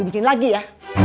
lu bikin lagi ya